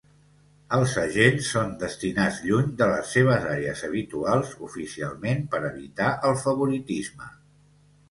Els agents són destinats lluny de les seves àrees habituals oficialment per evitar el favoritisme.